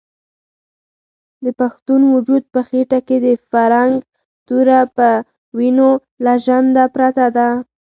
د پښتون وجود په خېټه کې د فرنګ توره په وینو لژنده پرته ده.